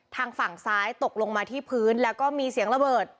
ทางฝั่งซ้ายตกลงมาที่พื้นแล้วก็มีเสียงระเบิด